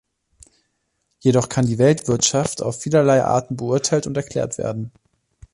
Jedoch kann die Weltwirtschaft auf vielerlei Arten beurteilt und erklärt werden.